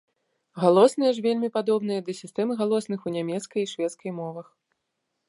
Галосныя ж вельмі падобныя да сістэмы галосных у нямецкай і шведскай мовах.